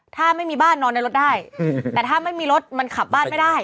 ถ้าไม่มีบ้านนอนในรถได้แต่ถ้าไม่มีรถมันขับบ้านไม่ได้